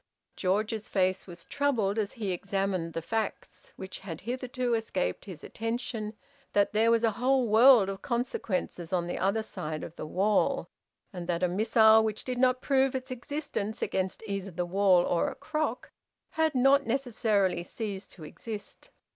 George's face was troubled, as he examined the facts, which had hitherto escaped his attention, that there was a whole world of consequences on the other side of the wall, and that a missile which did not prove its existence against either the wall or a crock had not necessarily ceased to exist.